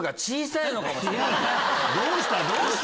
どうした？